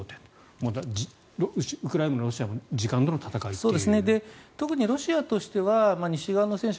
もうウクライナもロシアも時間との戦いという。